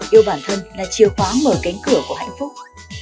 yêu bản thân là chìa khóa mở cánh cửa của hạnh phúc